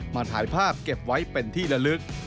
ถ่ายภาพเก็บไว้เป็นที่ละลึก